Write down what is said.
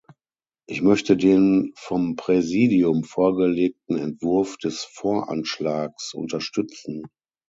Ich möchte den vom Präsidium vorgelegten Entwurf des Voranschlags unterstützen.